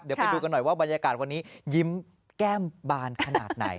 เดี๋ยวไปดูกันหน่อยว่าบรรยากาศวันนี้ยิ้มแก้มบานขนาดไหน